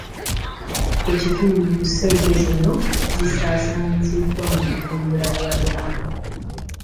Ekitundu ku ssente zino zisaasaanyizibwa mu kutumbula byabulamu.